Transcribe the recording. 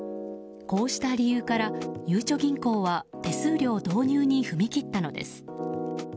こうした理由からゆうちょ銀行は手数料導入に踏み切ったのです。